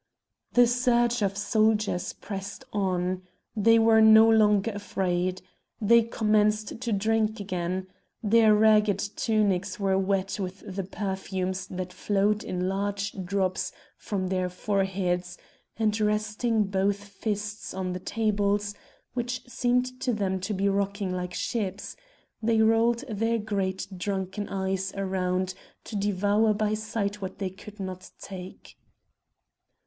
The surge of soldiers pressed on. They were no longer afraid. They commenced to drink again. Their ragged tunics were wet with the perfumes that flowed in large drops from their foreheads, and resting both fists on the tables, which seemed to them to be rocking like ships, they rolled their great drunken eyes around to devour by sight what they could not take.